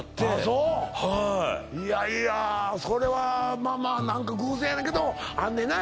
そうはいいやいやそれはまあまあ何か偶然やけどあんねんな